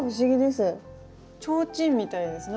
ちょうちんみたいです。